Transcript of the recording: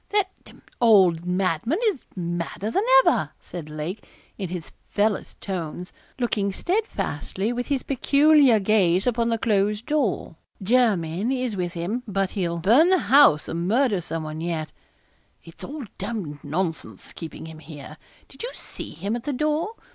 'That d d old madman is madder than ever,' said Lake, in his fellest tones, looking steadfastly with his peculiar gaze upon the closed door. 'Jermyn is with him, but he'll burn the house or murder some one yet. It's all d d nonsense keeping him here did you see him at the door?